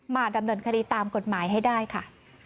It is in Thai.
มาดำเนินคดีตามกฎหมายให้ได้ค่ะ